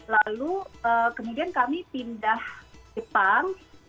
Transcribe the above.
lalu kemudian kami pindah jepang